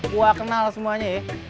gua kenal semuanya ya